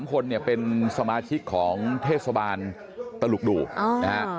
๓คนเนี่ยเป็นสมาชิกของเทศบาลตลุกดูนะฮะ